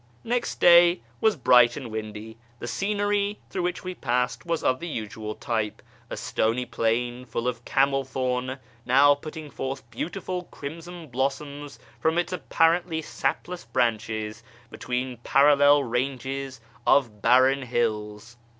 Next day was bright and windy. The scenery through which we passed was of the usual type — a stony plain full of camel thorn (now putting forth beautiful crimson blossoms from its apparently sapless branches) between parallel ranges of barren hills.